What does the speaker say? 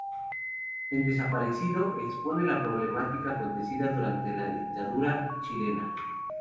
En "Desaparecido" expone la problemática acontecida durante la dictadura chilena.